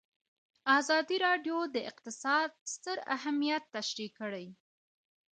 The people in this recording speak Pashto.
ازادي راډیو د اقتصاد ستر اهميت تشریح کړی.